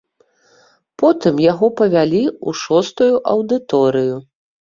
Потым яго павялі ў шостую аўдыторыю.